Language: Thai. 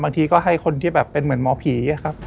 บางทีก็ให้คนที่แบบเป็นเหมือนหมอผีครับ